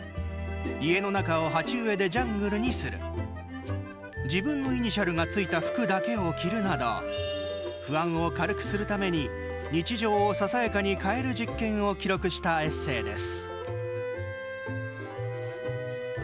家の中を鉢植えでジャングルにする自分のイニシャルがついた服だけを着るなど不安を軽くするために日常をささやかに変える実験を記録したエッセーです。